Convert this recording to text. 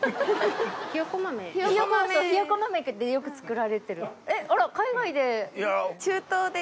ひよこ豆でよく作られてる。